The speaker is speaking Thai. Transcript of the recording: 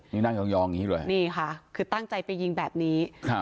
นี่นั่งยองอย่างนี้เลยนี่ค่ะคือตั้งใจไปยิงแบบนี้ครับ